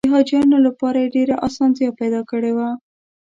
د حاجیانو لپاره یې ډېره اسانتیا پیدا کړې وه.